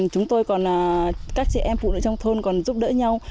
chúng tôi còn các chị em phụ nữ trong thôn còn giúp đỡ nhau